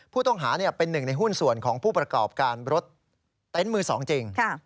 ผู้ต้องหาเป็นหนึ่งในหุ้นส่วนของผู้ประกอบการรถเต็นต์มือ๒จริง